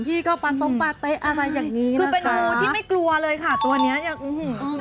คือเป็นงูที่ไม่กลัวเลยค่ะตัวนี้อื้อหือ